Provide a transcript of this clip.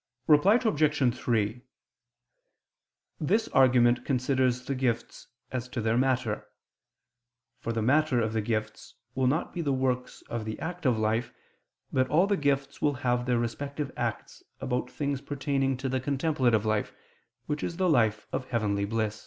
Reply Obj. 3: This argument considers the gifts as to their matter. For the matter of the gifts will not be the works of the active life; but all the gifts will have their respective acts about things pertaining to the contemplative life, which is the life of heavenly bliss.